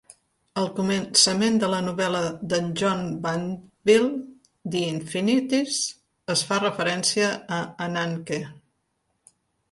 Al començament de la novel·la d'en John Banville "The Infinities" es fa referència a Ananke.